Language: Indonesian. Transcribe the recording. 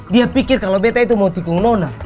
dia pikir kalo bete itu mau tikung nona